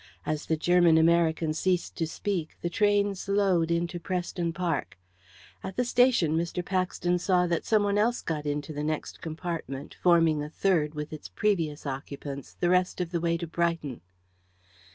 As the German American ceased to speak the train slowed into Preston Park. At the station Mr. Paxton saw that some one else got into the next compartment, forming a third, with its previous occupants, the rest of the way to Brighton.